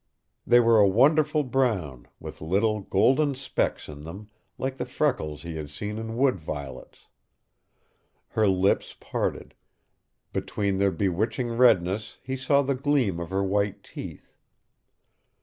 They were a wonderful brown, with little, golden specks in them, like the freckles he had seen in wood violets. Her lips parted. Between their bewitching redness he saw the gleam of her white teeth.